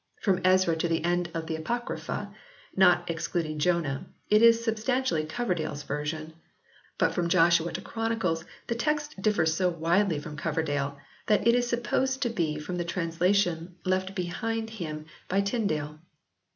From Ezra to the end of the Apocrypha, not excluding Jonah, it is substantially Coverdale s version; but from Joshua to Chronicles the text differs so widely from Coverdale, that it is supposed to be from the translations left behind him by Tyndale.